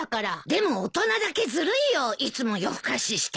でも大人だけずるいよいつも夜更かしして。